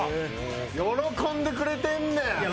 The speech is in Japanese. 喜んでくれてんねん。